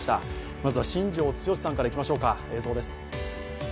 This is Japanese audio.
まずは、新庄剛志さんからいきましょうか。